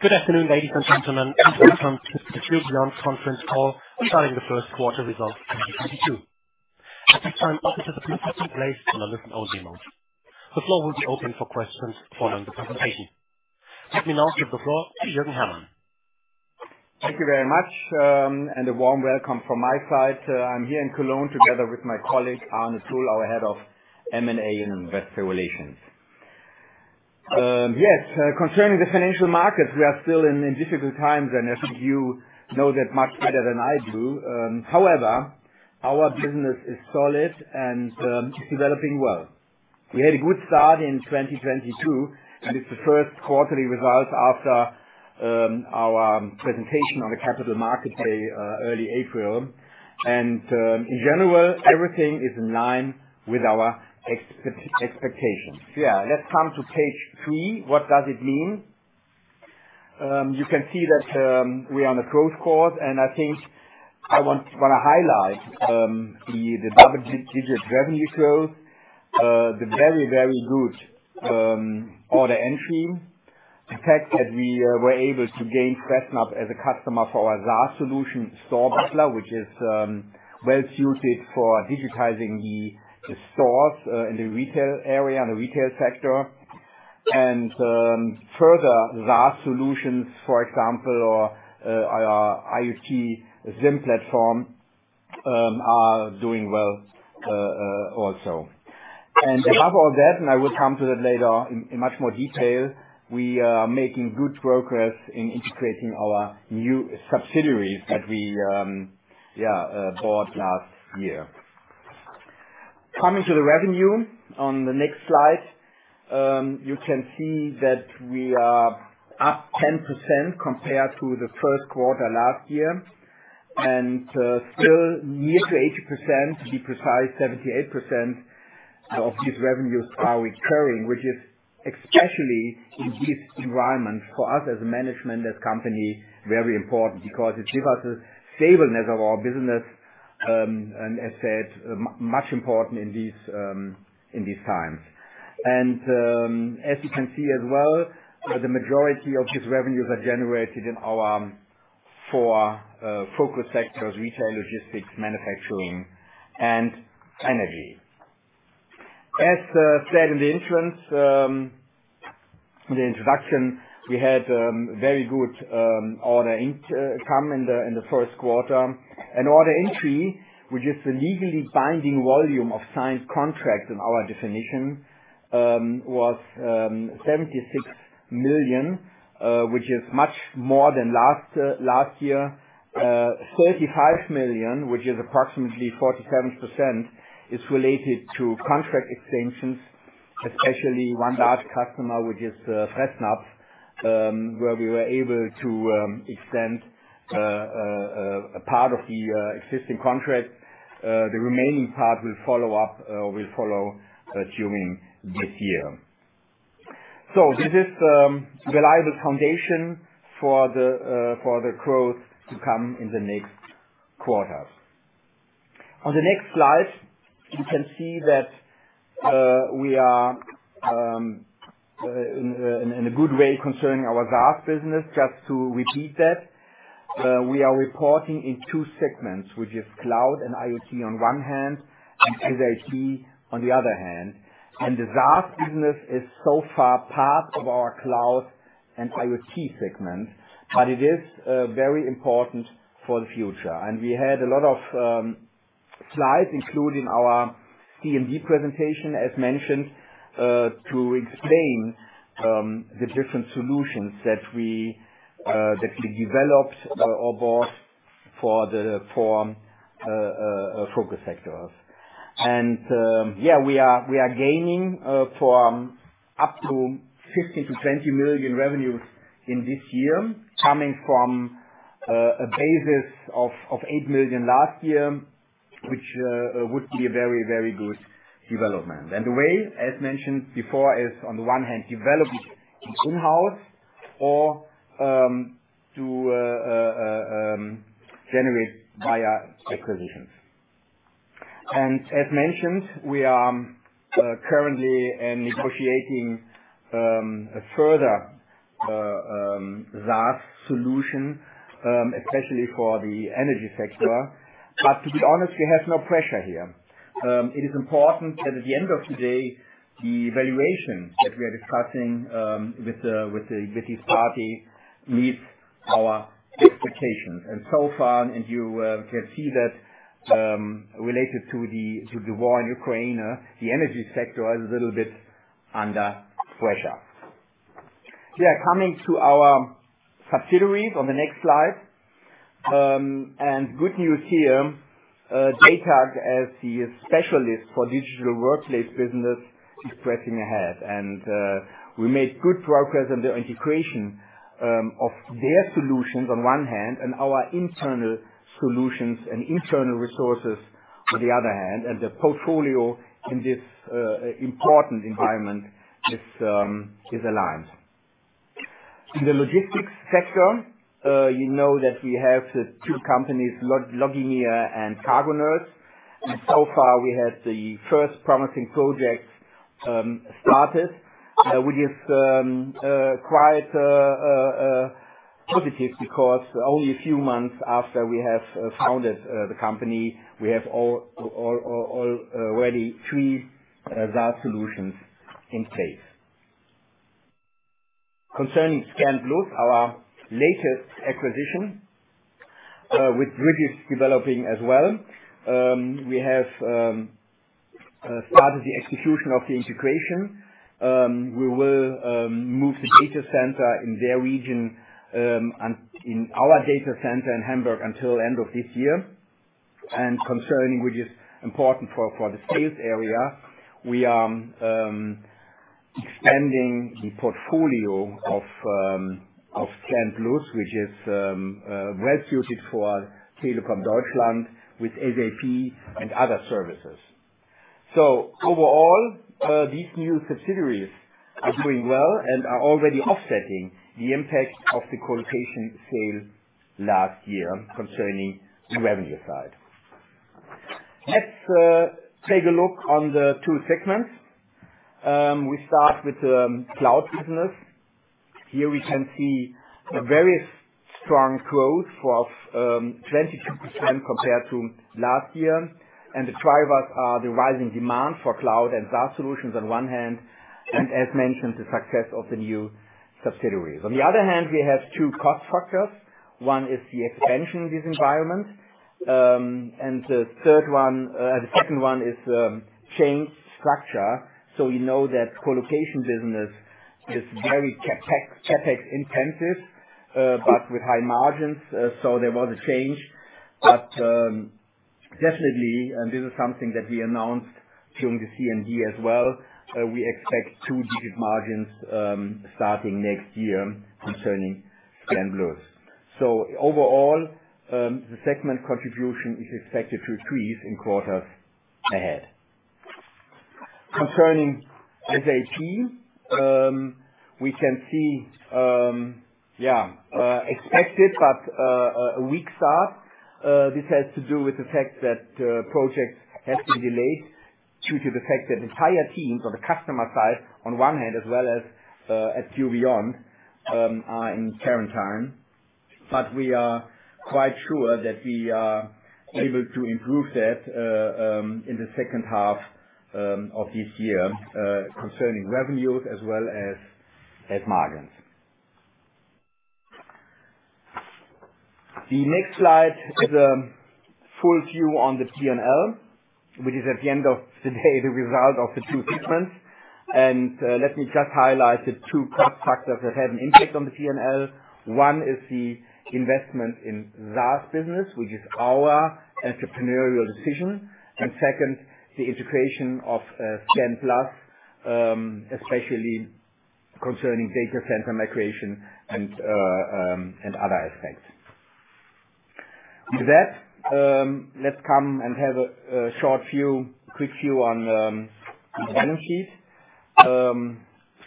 Good afternoon, ladies and gentlemen. Welcome to the q.beyond conference call regarding the Q1 results 2022. At this time, I'd like to ask you to please place your lines in a listen-only mode. The floor will be open for questions following the presentation. Let me now give the floor to Jürgen Hermann. Thank you very much, and a warm welcome from my side. I'm here in Cologne together with my colleague, Arne Thull, our Head of M&A and Investor Relations. Concerning the financial markets, we are still in difficult times, and I think you know that much better than I do. However, our business is solid and developing well. We had a good start in 2022, and it's the first quarterly result after our presentation on the capital market day early April. In general, everything is in line with our expectation. Yeah, let's come to page three. What does it mean? You can see that we are on a growth course, and I think I wanna highlight the double-digit revenue growth, the very good order entry. The fact that we were able to gain Fressnapf as a customer for our SaaS solution, StoreButler, which is well suited for digitizing the stores in the retail area and the retail sector. Further SaaS solutions, for example, our IoT platform, are doing well also. Above all that, and I will come to that later in much more detail, we are making good progress in integrating our new subsidiaries that we bought last year. Coming to the revenue on the next slide, you can see that we are up 10% compared to the Q1 last year. Still near to 80%, to be precise, 78% of these revenues are recurring. Which is especially in this environment for us as management, as company, very important, because it gives us a stability of our business, and as said, much important in these times. As you can see as well, the majority of these revenues are generated in our four focus sectors, retail, logistics, manufacturing, and energy. As said in the introduction, we had very good order intake in the Q1. Order entry, which is the legally binding volume of signed contracts in our definition, was 76 million, which is much more than last year. 35 million, which is approximately 47%, is related to contract extensions, especially one large customer, which is Fresenius, where we were able to extend a part of the existing contract. The remaining part will follow during this year. This is reliable foundation for the growth to come in the next quarters. On the next slide, you can see that we are in a good way concerning our SaaS business. Just to repeat that. We are reporting in two segments, which is cloud and IoT on one hand and SAP on the other hand. The SaaS business is so far part of our cloud and IoT segment, but it is very important for the future. We had a lot of slides, including our CMD presentation, as mentioned, to explain the different solutions that we developed or bought for the focus sectors. We are gaining from up to 15-20 million revenues in this year, coming from a basis of 8 million last year, which would be a very good development. The way, as mentioned before, is on the one hand, develop it in-house or generate via acquisitions. As mentioned, we are currently negotiating a further SaaS solution, especially for the energy sector. To be honest, we have no pressure here. It is important that at the end of the day, the valuation that we are discussing with this party meets our expectations. So far, you can see that related to the war in Ukraine, the energy sector is a little bit under pressure. Coming to our subsidiaries on the next slide. Good news here, datac as the specialist for digital workplace business is pressing ahead. We made good progress on the integration of their solutions on one hand and our internal solutions and internal resources on the other hand. The portfolio in this important environment is aligned. In the logistics sector, you know that we have the two companies, logineer and cargonerds. So far we had the first promising project started, which is quite positive, because only a few months after we have founded the company, we have already three SaaS solutions in place. Concerning scanplus, our latest acquisition, which really is developing as well, we have started the execution of the integration. We will move the data center in their region in our data center in Hamburg until end of this year. Concerning which is important for the sales area, we are expanding the portfolio of scanplus, which is well suited for Telekom Deutschland with SAP and other services. Overall, these new subsidiaries are doing well and are already offsetting the impact of the colocation sale last year concerning the revenue side. Let's take a look on the two segments. We start with cloud business. Here we can see a very strong growth of 22% compared to last year, and the drivers are the rising demand for cloud and SaaS solutions on one hand, and as mentioned, the success of the new subsidiaries. On the other hand, we have two cost structures. One is the expansion of this environment, and the second one is change structure. We know that colocation business is very CapEx intensive, but with high margins, so there was a change. Definitely, and this is something that we announced during the CMD as well, we expect two-digit margins starting next year concerning ScanPlus. Overall, the segment contribution is expected to increase in quarters ahead. Concerning SAP, we can see expected but a weak start. This has to do with the fact that projects have been delayed due to the fact that entire teams on the customer side, on one hand, as well as at q.beyond are in quarantine. We are quite sure that we are able to improve that in the H2 of this year concerning revenues as well as margins. The next slide is a full view on the P&L, which is at the end of the day, the result of the two segments. Let me just highlight the two cost factors that had an impact on the P&L. One is the investment in SaaS business, which is our entrepreneurial decision. Second, the integration of scanplus, especially concerning data center migration and other aspects. With that, let's have a quick view on the balance sheet.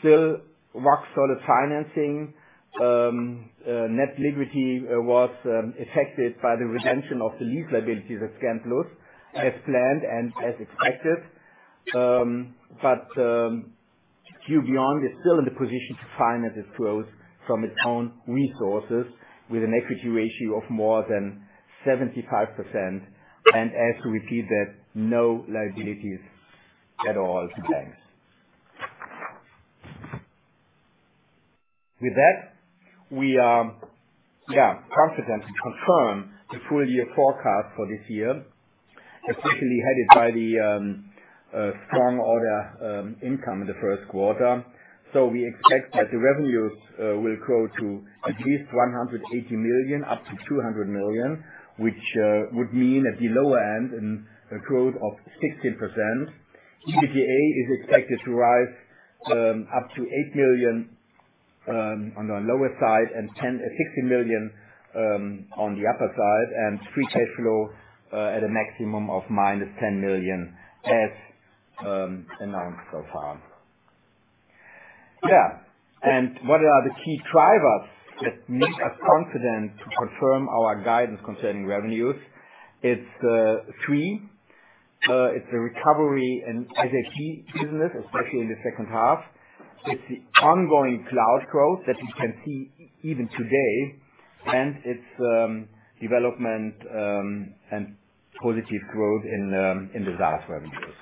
Still rock solid financing. Net liquidity was affected by the redemption of the lease liabilities at scanplus, as planned and as expected. q.beyond is still in the position to finance its growth from its own resources with an equity ratio of more than 75%, and as we see that, no liabilities at all to banks. With that, we are confident to confirm the full year forecast for this year, especially headed by the strong order intake in the Q1. We expect that the revenues will grow to at least 180 million, up to 200 million, which would mean at the lower end, a growth of 16%. EBITDA is expected to rise up to 8 million on the lower side and 10 million-60 million on the upper side, and free cash flow at a maximum of -10 million as announced so far. Yeah, what are the key drivers that make us confident to confirm our guidance concerning revenues? It's three. It's a recovery in SAP business, especially in the H2. It's the ongoing cloud growth that we can see even today, and it's development and positive growth in the SaaS revenues.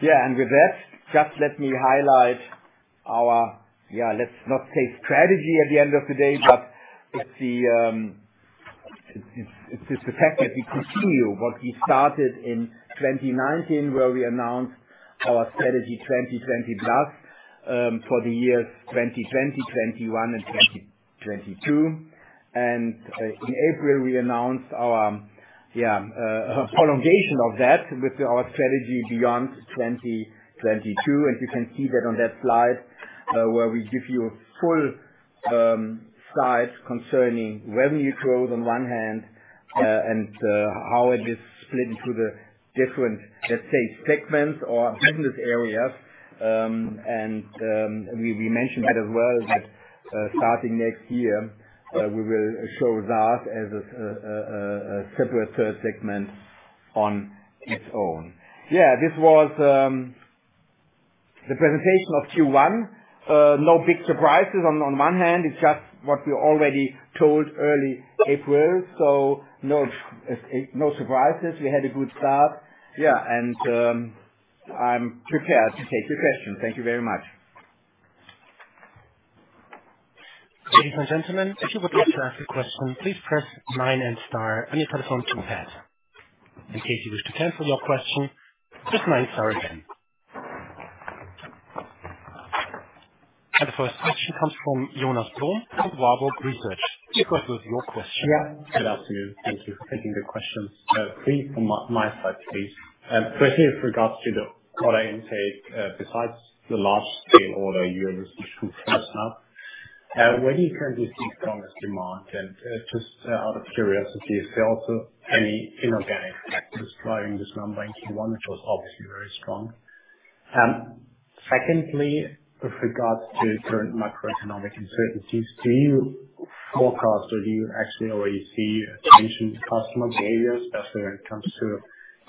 Yeah, with that, just let me highlight our, let's not say strategy at the end of the day, but it's the fact that we continue what we started in 2019, where we announced our strategy 2020 plus for the years 2020, 2021 and 2022. In April, we announced our prolongation of that with our strategy beyond 2022, and you can see that on that slide, where we give you a full size concerning revenue growth on one hand, and how it is split into the different, let's say, segments or business areas. We mentioned that as well, that starting next year, we will show that as a separate third segment on its own. This was the presentation of Q1. No big surprises. On one hand, it's just what we already told early April, so no surprises. We had a good start. Yeah, I'm prepared to take your questions. Thank you very much. Ladies and gentlemen, if you would like to ask a question, please press nine and star on your telephone keypad. In case you wish to cancel your question, press nine star again. The first question comes from Jonas Blum with Warburg Research. Please go with your question. Yeah. Good afternoon. Thank you for taking the questions. Three from my side, please. First, with regards to the order intake, besides the large-scale order, where do you currently see strongest demand? Just out of curiosity, is there also any inorganic factors driving this number in Q1, which was obviously very strong? Secondly, with regards to current macroeconomic uncertainties, do you forecast or do you actually already see a change in customer behaviors, especially when it comes to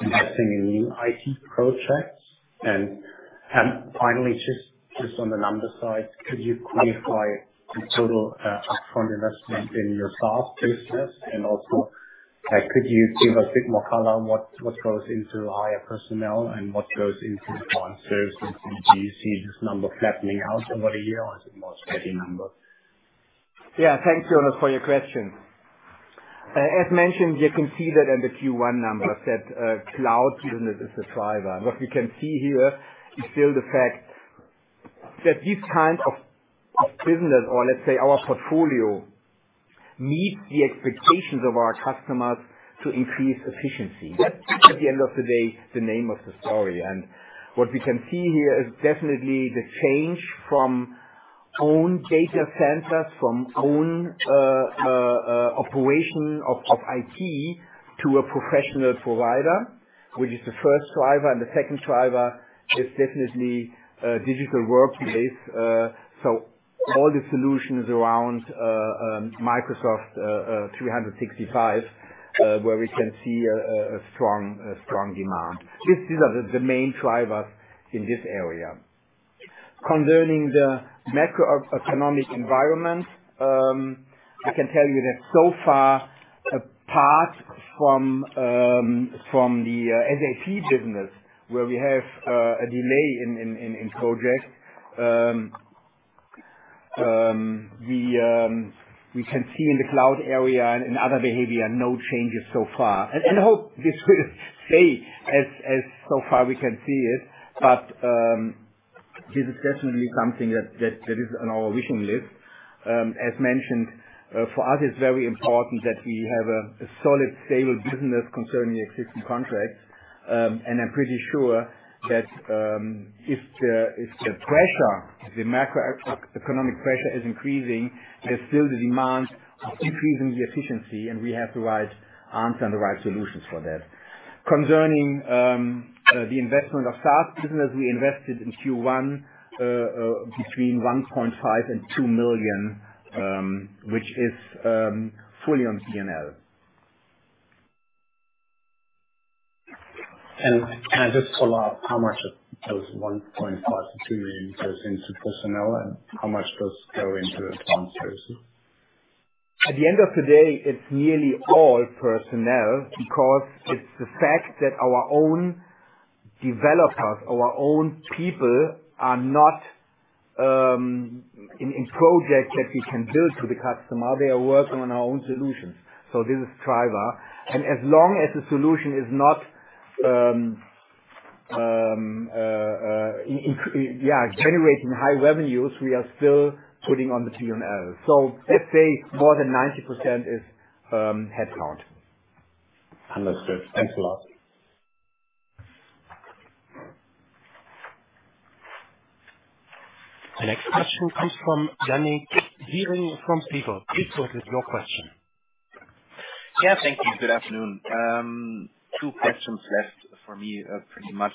investing in new IT projects? Finally, just on the numbers side, could you quantify the total upfront investment in your SaaS business? Also, could you give a bit more color on what goes into higher personnel and what goes into cloud services? Do you see this number flattening out over a year, or is it more steady number? Yeah. Thanks, Jonas, for your question. As mentioned, you can see that in the Q1 numbers that cloud business is a driver. What we can see here is still the fact that these kind of business or let's say our portfolio meets the expectations of our customers to increase efficiency. That's, at the end of the day, the name of the story. What we can see here is definitely the change from own data centers, from own operation of IT to a professional provider, which is the first driver. The second driver is definitely digital workplace. All the solutions around Microsoft 365 where we can see a strong demand. This is the main drivers in this area. Concerning the macroeconomic environment, I can tell you that so far, apart from the SAP business, where we have a delay in projects, we can see in the cloud area and in other areas, no changes so far. Hope this will stay as so far we can see it, but this is definitely something that is on our vision list. As mentioned, for us it's very important that we have a solid, stable business concerning existing contracts. I'm pretty sure that if the macroeconomic pressure is increasing, there's still the demand of increasing the efficiency, and we have the right answer and the right solutions for that. Concerning the investment of SaaS business, we invested in Q1 between 1.5 million and 2 million, which is fully on P&L. Can I just follow up, how much of those 1.5 million-2 million goes into personnel and how much does go into cloud services? At the end of the day, it's nearly all personnel because it's the fact that our own developers, our own people are not in projects that we can build to the customer. They are working on our own solutions. This is driver. As long as the solution is not generating high revenues, we are still putting on the P&L. Let's say more than 90% is headcount. Understood. Thanks a lot. The next question comes from Yannick Wiening from Jefferies. Please go with your question. Yeah. Thank you. Good afternoon. Two questions left for me, pretty much.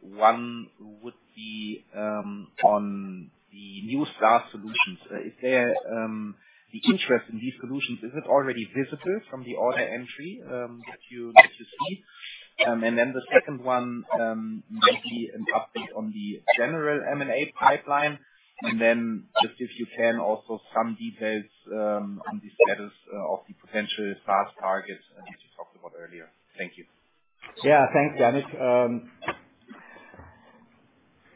One would be on the new SaaS solutions. Is there the interest in these solutions, is it already visible from the order entry that you get to see? The second one, maybe an update on the general M&A pipeline. Just if you can, also some details on the status of the potential SaaS targets that you talked about earlier. Thank you. Yeah. Thanks, Yannick.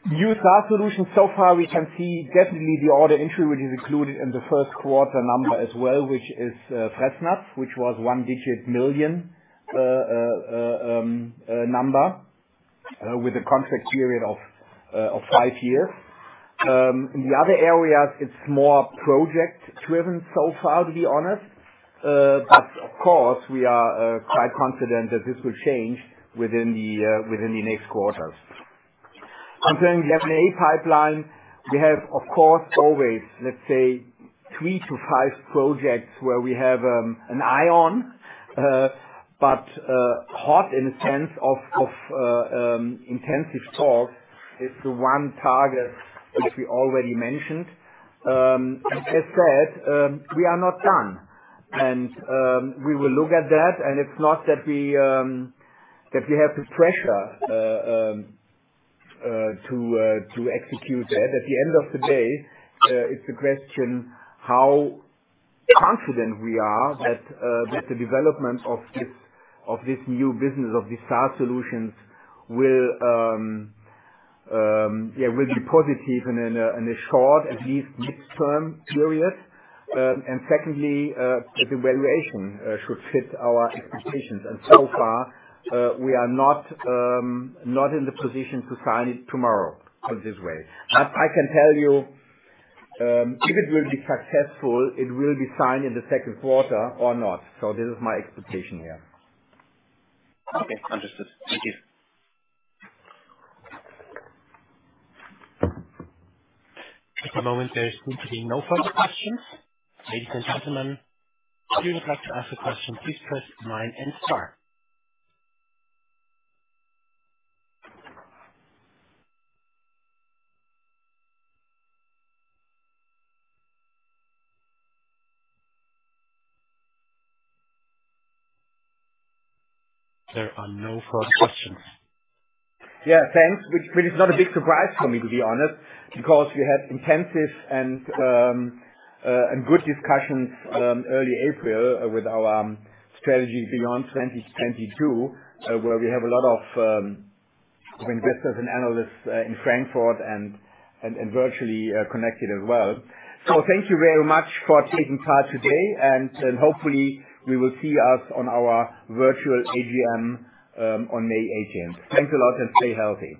New SaaS solutions, so far we can see definitely the order entry, which is included in the Q1 number as well, which is Fressnapf, which was 1-9 million with a contract period of five years. In the other areas, it's more project driven so far, to be honest. Of course, we are quite confident that this will change within the next quarters. Concerning the M&A pipeline, we have, of course, always, let's say three to five projects where we have an eye on. Hot in a sense of intensive talks is the one target which we already mentioned. As said, we are not done. We will look at that, and it's not that we have the pressure to execute that. At the end of the day, it's a question how confident we are that the development of this new business, of the SaaS solutions will be positive in a short, at least midterm period, and secondly, that the valuation should fit our expectations. So far, we are not in the position to sign it tomorrow, put it this way. I can tell you if it will be successful, it will be signed in the Q2 or not. This is my expectation here. Okay. Understood. Thank you. At the moment, there seem to be no further questions. Ladies and gentlemen, if you would like to ask a question, please press nine and star. There are no further questions. Yeah, thanks. Which is not a big surprise for me, to be honest, because we had intensive and good discussions early April with our strategy beyond 2022, where we have a lot of investors and analysts in Frankfurt and virtually connected as well. Thank you very much for taking part today, and hopefully you will see us on our virtual AGM on May 18th. Thanks a lot, and stay healthy.